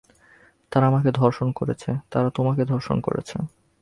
তারা আমাকে ধর্ষণ করেছে, তারা তোমাকে ধর্ষণ করেছে।